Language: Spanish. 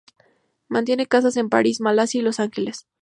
Mantiene casas en París, Malasia y Los Ángeles.